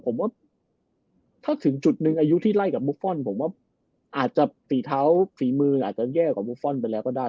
ผมว่าถ้าถึงจุดหนึ่งอายุที่ไล่กับบุฟฟอลผมว่าอาจจะฝีเท้าฝีมืออาจจะแย่กว่าบุฟฟอลไปแล้วก็ได้